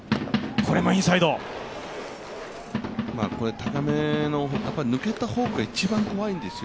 高めの抜けたフォークが一番怖いんですよ。